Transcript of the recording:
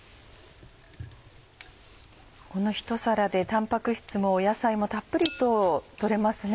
このひと皿でタンパク質も野菜もたっぷりと取れますね。